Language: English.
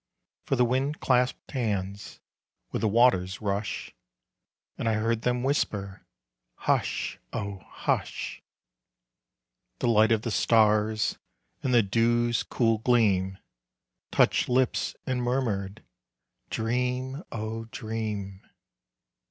For the Wind clasped hands with the Water's rush, And I heard them whisper, Hush, oh, hush! The Light of the Stars and the Dew's cool gleam Touched lips and murmured, _Dream, oh dream!